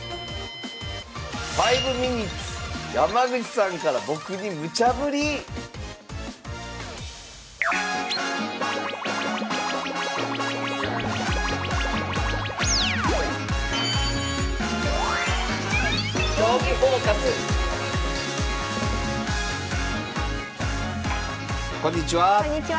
山口さんから僕にムチャぶり⁉こんにちは！